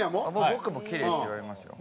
僕もキレイって言われますよ。